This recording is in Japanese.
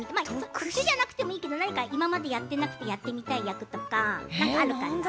特殊じゃなくてもいいけど今までやってなくてやってみたい役とかあるかな？